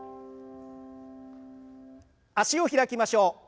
脚を開きましょう。